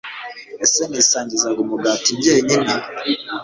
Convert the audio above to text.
ese nisangizaga umugati jyenyine